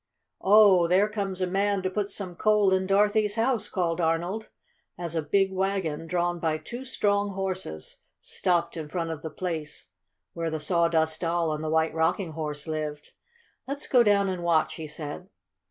"Oh, there comes a man to put some coal in Dorothy's house!" called Arnold, as a big wagon, drawn by two strong horses, stopped in front of the place where the Sawdust Doll and the White Rocking Horse lived. "Let's go down and watch!" he said.